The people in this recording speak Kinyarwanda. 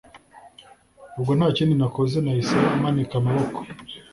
ubwo ntakindi nakoze nahise manika amaboko